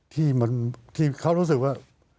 ที่มันที่เขารู้สึกว่า